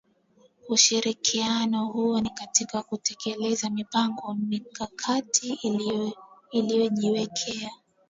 Ushirikiano huo ni katika kutekeleza mipango mikakati iliyojiwekea